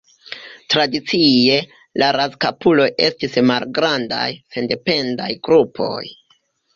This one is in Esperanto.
Tradicie, la razkapuloj estis malgrandaj, sendependaj grupoj.